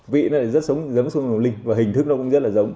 vị nó lại rất giống sâm ngọc linh và hình thức nó cũng rất là giống